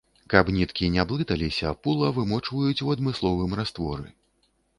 Каб ніткі не блыталіся пула вымочваюць у адмысловым растворы.